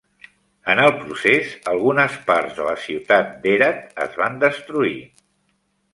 En el procés, algunes parts de la ciutat d"Herat es van destruir.